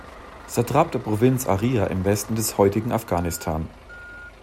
Satrap der Provinz Aria im Westen des heutigen Afghanistan.